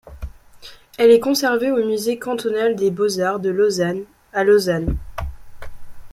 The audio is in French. Elle est conservée au musée cantonal des beaux-arts de Lausanne, à Lausanne.